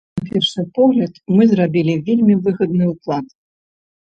На першы погляд, мы зрабілі вельмі выгадны ўклад.